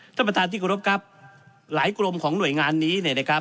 ท่านประธานที่เคารพครับหลายกรมของหน่วยงานนี้เนี่ยนะครับ